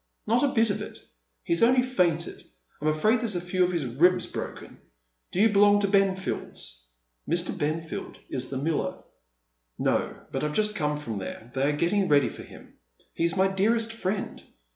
" Not a bit of it. He's only fainted. I'm afraid there's a few of his ribs broken. Do you belong to Benfield's ?" ^Ir. Benfield is the miller. " No. but I've just come from there, they are getting ready for him. He's my dearest friend.